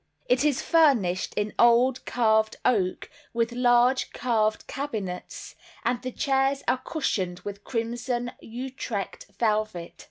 It is furnished in old carved oak, with large carved cabinets, and the chairs are cushioned with crimson Utrecht velvet.